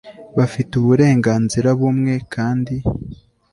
bafite uburenganzira bumwe kandi